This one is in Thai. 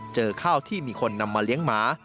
เจอข้าวที่มีคนนำมาเลี้ยงหมา